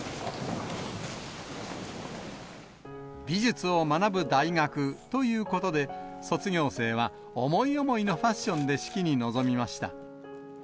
美術を学ぶ大学ということで、卒業生は思い思いのファッションで式に臨みました。